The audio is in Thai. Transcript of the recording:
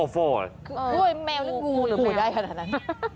คุยแมวนักงูหรอคุยได้ขนาดนั้น